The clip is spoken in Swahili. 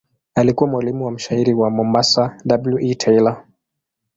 Alikuwa mwalimu wa mshairi wa Mombasa W. E. Taylor.